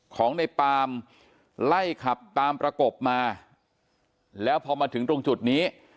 ของในปามไล่ขับตามประกบมาแล้วพอมาถึงตรงจุดนี้